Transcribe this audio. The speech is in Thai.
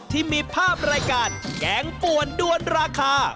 ที่มีภาพรายการแกงป่วนด้วนราคา